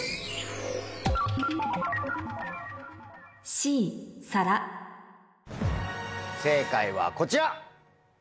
Ｃ「皿」正解はこちら！